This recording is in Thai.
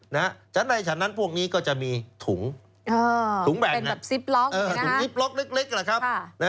ในฉันนั้นพวกนี้ก็จะมีถุงแบ่งถุงนิปล็อกเล็กแหละครับ